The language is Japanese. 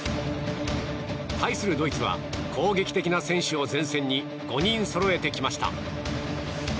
対するドイツは攻撃的な選手を前線に５人そろえてきました。